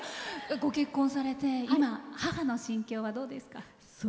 ご結婚されて今母の心境はどうですか？